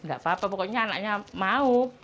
gak apa apa pokoknya anaknya mau